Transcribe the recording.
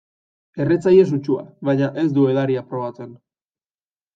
Erretzaile sutsua, baina ez du edaria probatzen.